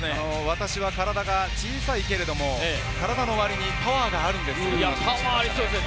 私は体が小さいけれども体の割にパワーがあるんですという話です。